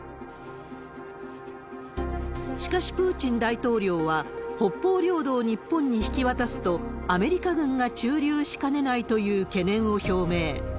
しかし、プーチン大統領は北方領土を日本に引き渡すと、アメリカ軍が駐留しかねないという懸念を表明。